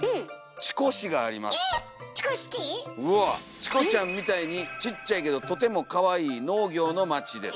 「チコちゃんみたいにちっちゃいけどとてもかわいい農業の町です」。